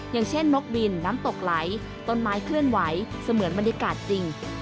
อย่างเช่นนกบินน้ำตกไหลต้นไม้เคลื่อนไหวเสมือนบรรยากาศจริง